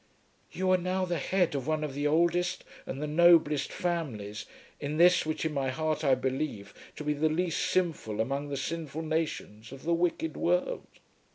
"You are now the head of one of the oldest and the noblest families in this which in my heart I believe to be the least sinful among the sinful nations of the wicked world."